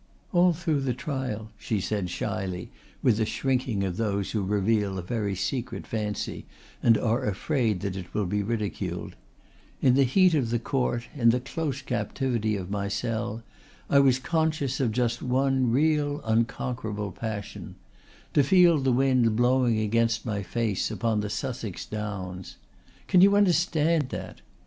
"All through the trial," she said shyly, with the shrinking of those who reveal a very secret fancy and are afraid that it will be ridiculed, "in the heat of the court, in the close captivity of my cell, I was conscious of just one real unconquerable passion to feel the wind blowing against my face upon the Sussex Downs. Can you understand that?